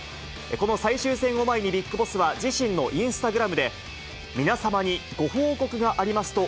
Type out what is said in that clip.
この最終戦を前に、ＢＩＧＢＯＳＳは自身のインスタグラムで、皆様にご報告がありますと、